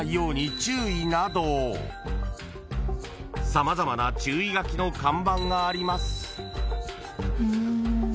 ［様々な注意書きの看板があります］